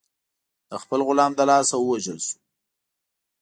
د خپل غلام له لاسه ووژل شو.